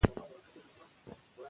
موږ به خپل پیغام په خپله ژبه رسوو.